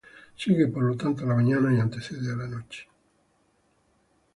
Sigue por lo tanto a la mañana y antecede a la noche.